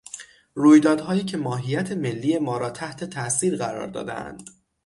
رویدادهایی که ماهیت ملی ما را تحت تاثیر قرار دادهاند